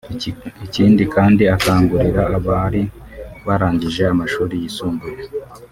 Ikindi kandi akangurira abari barangije amashuri yisumbuye